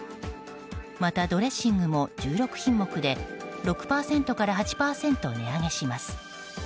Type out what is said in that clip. また、ドレッシングも１６品目で６％から８％値上げします。